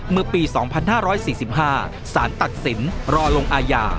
เมื่อปีสองพันห้าร้อยสี่สิบห้าสารตัดสินรอลงอาญา